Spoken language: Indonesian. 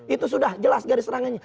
itu sudah jelas garis serangannya